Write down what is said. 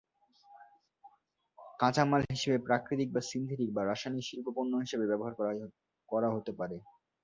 কাঁচামাল হিসাবে প্রাকৃতিক, বা সিন্থেটিক বা রাসায়নিক শিল্প পণ্য হিসাবে ব্যবহার করা হতে পারে।